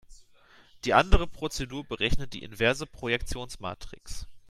Die andere Prozedur berechnet die inverse Projektionsmatrix.